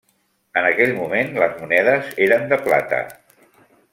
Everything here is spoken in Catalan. En aquell moment les monedes eren de plata.